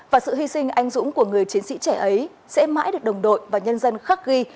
và sự hy sinh anh dũng của người chiến sĩ trẻ ấy sẽ mãi được đồng đội và nhân dân khắc ghi